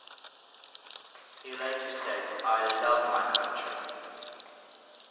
He later said, I love my country.